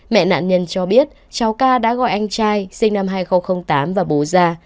mẹ nạn nhân cho biết cháu k đã gọi anh trai sinh năm hai nghìn tám và bố ra